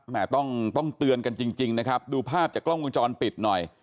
ไม่ต้องต้องเตือนกันจริงดูภาพภาพจากกล้องวงจรปิดหน่อย